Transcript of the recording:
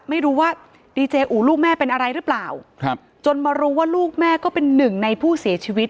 ไม่รู้ว่าดีเจอูลูกแม่เป็นอะไรหรือเปล่าครับจนมารู้ว่าลูกแม่ก็เป็นหนึ่งในผู้เสียชีวิต